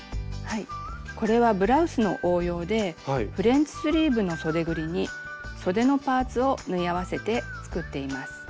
これはブラウスの応用でフレンチスリーブのそでぐりにそでのパーツを縫い合わせて作っています。